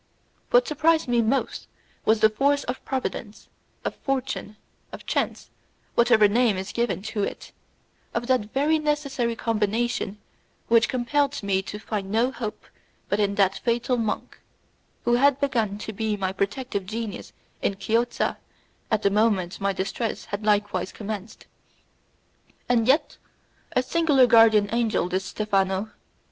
What surprised me most was the force of Providence, of fortune, of chance, whatever name is given to it, of that very necessary combination which compelled me to find no hope but in that fatal monk, who had begun to be my protective genius in Chiozza at the moment my distress had likewise commenced. And yet, a singular guardian angel, this Stephano!